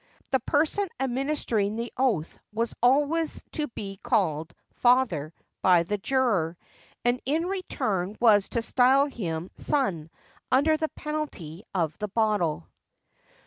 The person administering the oath was always to be called father by the juror, and he in return was to style him son, under the penalty of a bottle.